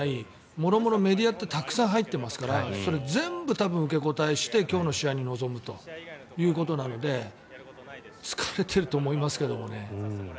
もろもろメディアってたくさん入っていますからそれに全部受け答えして今日の試合に臨むということなので疲れてると思いますけどね。